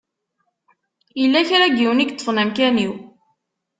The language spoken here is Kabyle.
Yella kra n yiwen i yeṭṭfen amkan-iw.